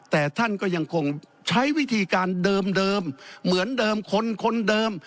แต่ท่านก็ยังคงใช้วิธีการเดิมเหมือนเดิมคนคนเดิม